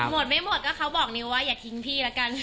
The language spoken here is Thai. หมดไม่หมดก็เขาบอกนิวว่าอย่าทิ้งพี่แล้วกัน